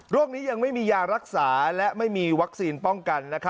นี้ยังไม่มียารักษาและไม่มีวัคซีนป้องกัน